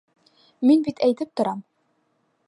Мин бит әйтеп торам...